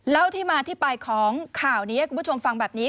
เล่าที่มาที่ไปของข่าวนี้ให้คุณผู้ชมฟังแบบนี้